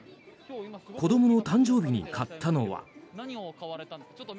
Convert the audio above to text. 子どもの誕生日に買ったのは。